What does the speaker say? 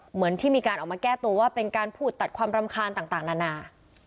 เหมือนที่มีการออกมาแก้ตัวว่าเป็นการพูดตัดความรำคาญต่างนานา